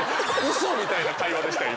嘘みたいな会話でしたよ